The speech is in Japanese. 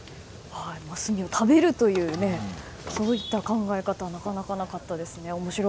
炭を食べるという考え方はなかなかなかったですね、面白い。